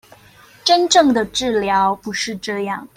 真正的治療不是這樣